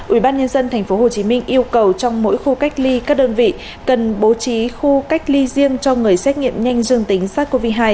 ubnd tp hcm yêu cầu trong mỗi khu cách ly các đơn vị cần bố trí khu cách ly riêng cho người xét nghiệm nhanh dương tính sars cov hai